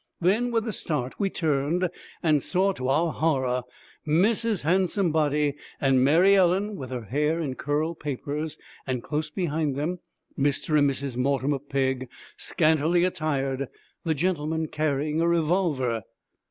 Then, with a start, we turned, and saw to our horror Mrs. Handsomebody and Mary Ellen, with her hair in curl papers, and close behind them, Mr. and Mrs. Mortimer Pegg, scantily attired, the gentleman carrying a revolver.